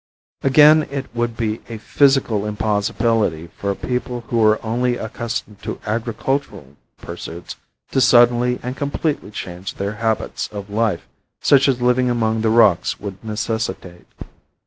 Again, it would be a physical impossibility for a people who were only accustomed to agricultural pursuits to suddenly and completely change their habits of life such as living among the rocks would necessitate.